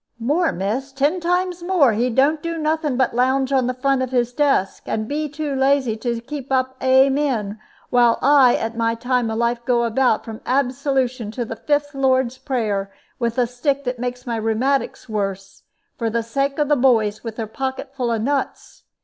"More, miss, ten times more! He don't do nothing but lounge on the front of his desk, and be too lazy to keep up 'Amen,' while I at my time of life go about, from Absolution to the fifth Lord's prayer, with a stick that makes my rheumatics worse, for the sake of the boys with their pocket full of nuts.